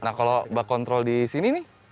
nah kalau mbak kontrol di sini nih